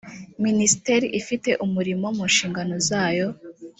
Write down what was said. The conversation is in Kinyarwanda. minisiteri ifite umurimo mu nshingano zayo